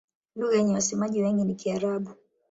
Lugha yenye wasemaji wengi ni Kiarabu.